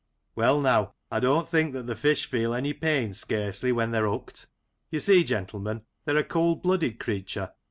Well, now, I don't think that the fish feel any pain scarcely when they're hooked You see, gentlemen, they're a cold blooded creature.